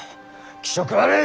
気色悪い！